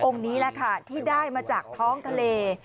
นี้แหละค่ะที่ได้มาจากท้องทะเล